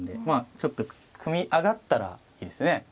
まあちょっと組み上がったらいいですね。